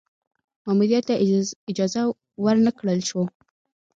ماموریت ته اجازه ور نه کړل شوه.